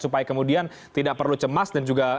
supaya kemudian tidak perlu cemas dan juga